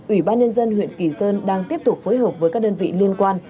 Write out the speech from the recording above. ủy ban nhân dân huyện kỳ sơn đang tiếp tục phối hợp với các đơn vị liên quan